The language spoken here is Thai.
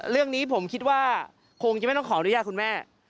เรื่องนี้ผมคิดว่าคงจะไม่ต้องขออนุญาตคุณแม่